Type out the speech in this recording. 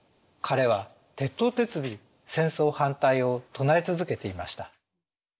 彼は徹頭徹尾戦争反対を唱え続けていました。